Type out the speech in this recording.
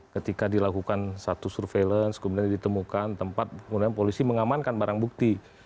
ketika dilakukan satu surveillance kemudian ditemukan tempat kemudian polisi mengamankan barang bukti